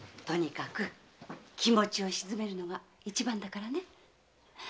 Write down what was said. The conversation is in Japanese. とにかく気持ちを静めるのが一番だからね。